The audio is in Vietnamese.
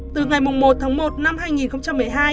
từ ngày một tháng một năm hai nghìn một mươi hai